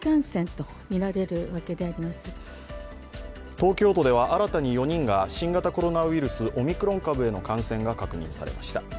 東京都では新たに４人が新型コロナウイルス、オミクロン株への感染が確認されました。